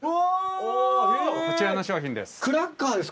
こちらの商品です。